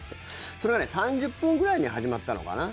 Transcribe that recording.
それが３０分ぐらいに始まったのかな。